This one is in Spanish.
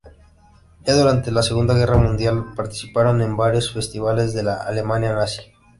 Ya durante la Segunda Guerra Mundial participaron en varios festivales de la Alemania nazi.